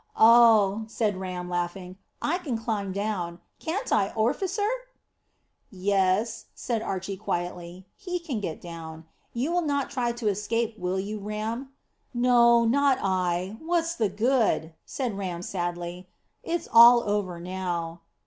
"Oh," said Ram, laughing, "I can climb down; can't I, orficer?" "Yes," said Archy quietly. "He can get down. You will not try to escape, will you, Ram?" "No; not I. What's the good?" said Ram sadly. "It's all over now."